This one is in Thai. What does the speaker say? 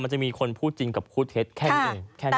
๒คนมันจะมีคนพูดจริงกับพูดเท็จแค่นี้